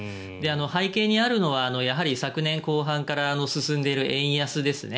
背景にあるのはやはり昨年後半から進んでいる円安ですね。